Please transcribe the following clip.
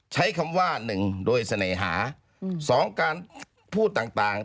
ใช้คำว่าหนึ่งโดยเสน่หาสองการพูดต่าง